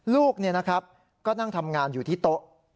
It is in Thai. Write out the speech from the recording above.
ลูกก็นั่งทำงานอยู่ที่โต๊ะ